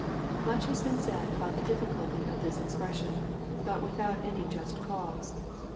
] Much has been said about the difficulty of this expression, but without any just cause.